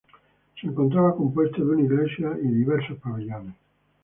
Se encontraba compuesto de una iglesia y diversos pabellones.